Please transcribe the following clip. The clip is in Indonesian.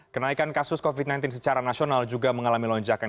kenaikan kasus covid sembilan belas secara nasional juga mengalami lonjakan